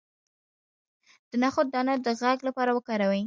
د نخود دانه د غږ لپاره وکاروئ